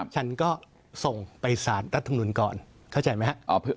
ฉันก็ส่งไปสารรัฐธรรมนุนก่อนเข้าใจไหมครับ